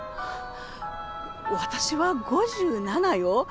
私は５７よ！？